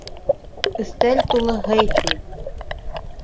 Өҫтәл тулы һый, ти.